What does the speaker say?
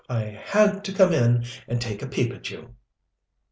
I had to come in and take a peep at you!"